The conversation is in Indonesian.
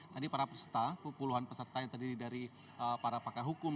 tadi para peserta puluhan peserta yang terdiri dari para pakar hukum